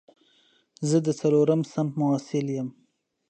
زه د څلورم صنف محصل یم